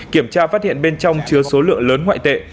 kiểm tra phát hiện bên trong chứa số lượng lớn ngoại tệ